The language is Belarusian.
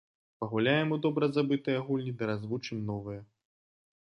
Пагуляем у добра забытыя гульні ды развучым новыя.